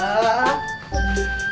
pernah beli kulkas